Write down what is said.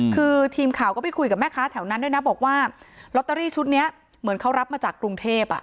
คือทีมข่าวก็ไปคุยกับแม่ค้าแถวนั้นด้วยนะบอกว่าลอตเตอรี่ชุดนี้เหมือนเขารับมาจากกรุงเทพ